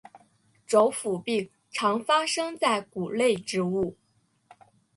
轴腐病常发生在谷类植物。